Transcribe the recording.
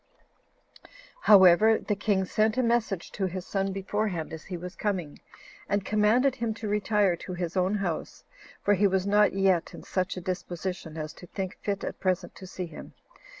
5. However, the king sent a message to his son beforehand, as he was coming, and commanded him to retire to his own house, for he was not yet in such a disposition as to think fit at present to see him.